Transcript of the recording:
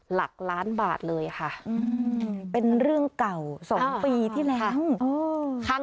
หลักล้านบาทเลยค่ะอืมเป็นเรื่องเก่าสองปีที่แล้วค่ะ